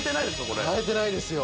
これかえてないですよ